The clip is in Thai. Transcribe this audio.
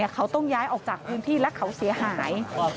เขาต้องย้ายออกจากพื้นที่และเขาเสียหาย